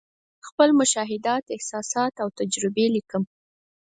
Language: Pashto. خپل مشاهدات، احساسات او تجربې لیکم.